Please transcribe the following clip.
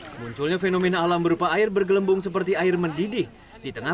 hai munculnya fenomena alam berupa air bergelembung seperti air mendidih di tengah